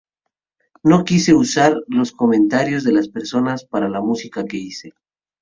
No quise usar los comentarios de las personas para la música que hice.